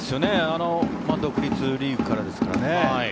独立リーグからですからね。